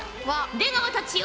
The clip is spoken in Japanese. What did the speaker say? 出川たちよ